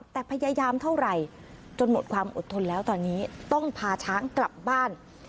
แต่พยายามเท่าไหร่จนหมดความอดทนแล้วตอนนี้ต้องพาช้างกลับบ้าน